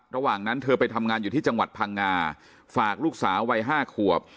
ระหว่างนั้นเธอไปทำงานอยู่ที่จังหวัดพังงาฝากลูกสาววัย๕ขวบ